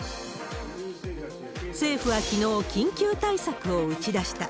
政府はきのう、緊急対策を打ち出した。